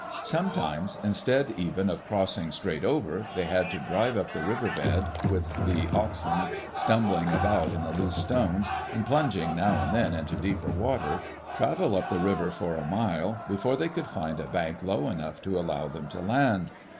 Sometimes, instead even of crossing straight over, they had to drive up the river bed, with the oxen stumbling about in the loose stones and plunging now and then into deeper water — travel up the river for a mile before they could find a bank low enough to allow them to land.